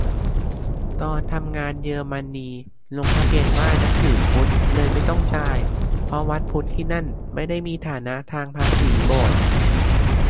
ตอนทำงานเยอรมนี ลงทะเบียนว่านับถือพุทธ เลยไม่ต้องจ่าย เพราะวัดพุทธที่นั่นไม่ได้มีสถานะทางภาษีโบสถ์